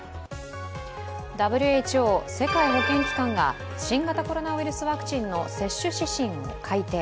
ＷＨＯ＝世界保健機関が新型コロナウイルスワクチンの接種指針を改定。